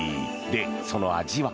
で、その味は？